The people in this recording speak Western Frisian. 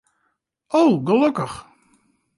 O, gelokkich.